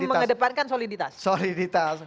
kita lebih mengedepankan soliditas